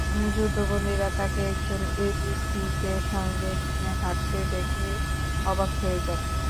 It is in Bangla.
যুদ্ধবন্দীরা তাঁকে একজন এডিসিকে সঙ্গে নিয়ে হাঁটতে দেখে অবাক হয়ে যান।